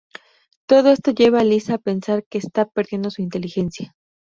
Todo esto lleva a Lisa a pensar que está perdiendo su inteligencia.